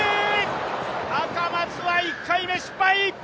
赤松は１回目、失敗。